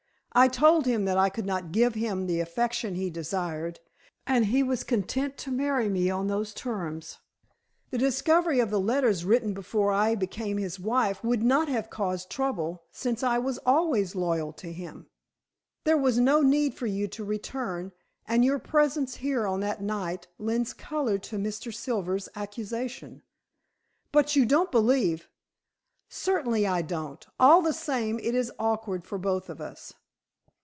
I told him that I could not give him the affection he desired, and he was content to marry me on those terms. The discovery of letters written before I became his wife would not have caused trouble, since I was always loyal to him. There was no need for you to return, and your presence here on that night lends color to Mr. Silver's accusation." "But you don't believe " "Certainly I don't. All the same it is awkward for both of us."